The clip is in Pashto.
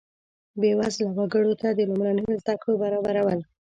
بیوزله وګړو ته د لومړنیو زده کړو برابرول.